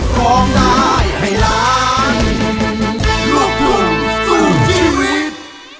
ร้องได้ให้ล้านลูกทุ่งสู้ชีวิต